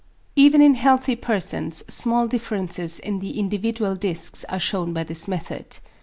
Even in healthy persons small differences in the individual discs are shewn by this method.